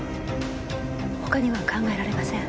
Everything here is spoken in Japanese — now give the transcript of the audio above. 他には考えられません。